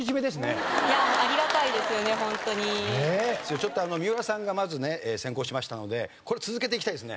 ちょっと三浦さんがまずね先行しましたのでこれ続けていきたいですね。